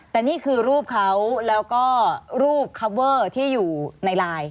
แต่นี่คือรูปเขาแล้วก็รูปคับเวอร์ที่อยู่ในไลน์